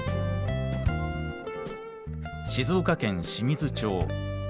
静岡県清水町。